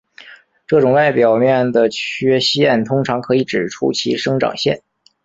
这种外表面的缺陷通常可以指出其生长线。